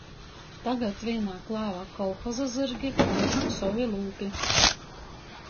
Tagad vīnā klāvā kolhoza zyrgi, ūtrā – sovi lūpi.